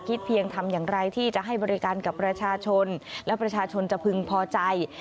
เพียงทำอย่างไรที่จะให้บริการกับประชาชนและประชาชนจะพึงพอใจ